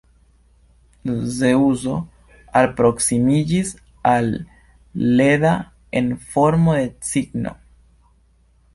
Zeŭso alproksimiĝis al Leda en formo de cigno.